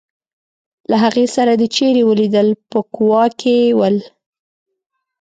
له هغې سره دي چېرې ولیدل په کوا کې ول.